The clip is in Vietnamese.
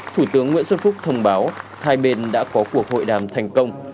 thủ tướng nguyễn xuân phúc thông báo hai bên đã có cuộc hội đàm thành công